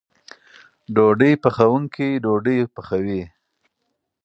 ډوډۍ پخوونکی ډوډۍ پخوي.